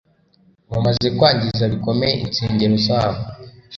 Bamaze kwangiza bikomeye insengero zabo